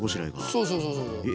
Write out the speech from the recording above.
そうそうそうそう。